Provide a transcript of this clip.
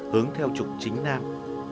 hướng theo trục chính nam